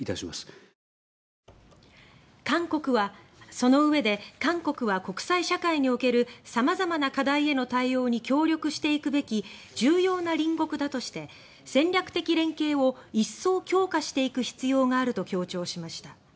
そのうえで「韓国は国際社会における様々な課題への対応に協力していくべき重要な隣国だ」として「戦略的連携を一層強化していく必要がある」と強調しました。